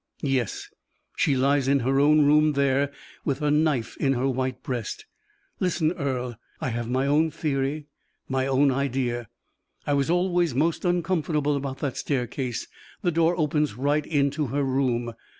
"Yes; she lies in her own room there, with a knife in her white breast. Listen, Earle: I have my own theory, my own idea. I was always most uncomfortable about that staircase; the door opens right into her room.